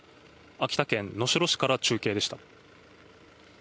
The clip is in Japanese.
秋田県能代市から中継でした。